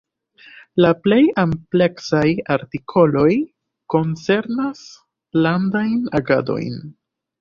La plej ampleksaj artikoloj koncernas landajn agadojn.